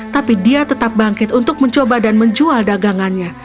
tapi dia tetap bangkit untuk mencoba dan menjual dagangannya